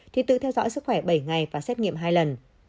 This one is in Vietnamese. thì tự theo dõi sức khỏe bảy ngày và xét nghiệm hai lần